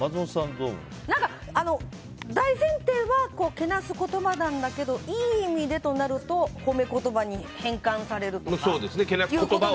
大前提はけなす言葉なんだけど「いい意味で」となると褒め言葉に変換されるとか。